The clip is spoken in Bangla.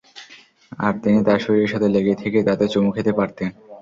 আর তিনি তার শরীরের সাথে লেগে থেকে তাতে চুমু খেতে পারতেন।